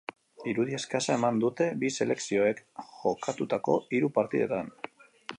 Irudi eskasa eman dute bi selekzioek jokatutako hiru partidetan.